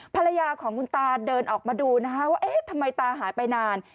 ภรรยาของคุณตาเดินออกมาดูนะคะว่าเอ๊ะทำไมตาหายไปนาน